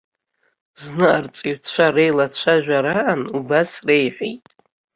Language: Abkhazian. Зны арҵаҩцәа реилацәажәараан убас реиҳәеит.